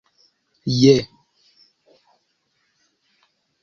je